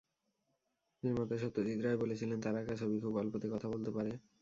নির্মাতা সত্যজিৎ রায় বলেছিলেন, তাঁর আঁকা ছবি খুব অল্পতে কথা বলতে পারে।